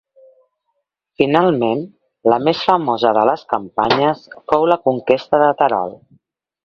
Finalment la més famosa de les campanyes fou la conquesta de Terol.